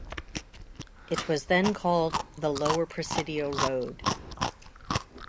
It was then called the Lower Presidio Road.